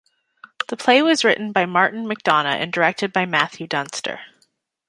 The play was written by Martin McDonagh and directed by Matthew Dunster.